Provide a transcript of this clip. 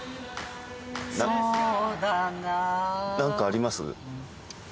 なんかあります？